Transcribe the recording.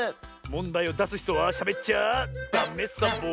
もんだいをだすひとはしゃべっちゃダメサボ。